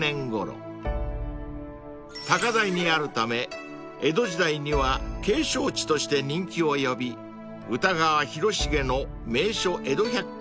［高台にあるため江戸時代には景勝地として人気を呼び歌川広重の『名所江戸百景』にも描かれています］